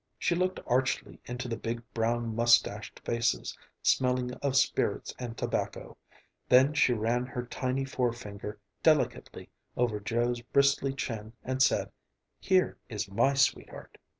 She looked archly into the big, brown, mustached faces, smelling of spirits and tobacco, then she ran her tiny forefinger delicately over Joe's bristly chin and said, "Here is my sweetheart."